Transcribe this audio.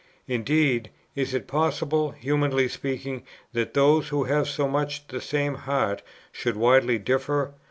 Indeed, is it possible (humanly speaking) that those, who have so much the same heart, should widely differ?